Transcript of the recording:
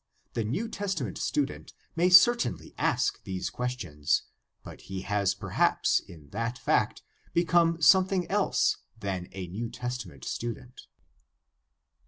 The New Testament student may certainly ask these questions, but he has perhaps in that fact become something else than a New Testament student.